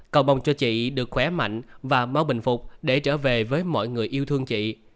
cầu bồng cho chị được khỏe mạnh và bao bình phục để trở về với mọi người yêu thương chị